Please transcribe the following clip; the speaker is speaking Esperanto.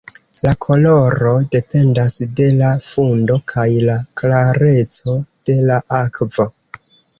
La koloro dependas de la fundo kaj la klareco de la akvo.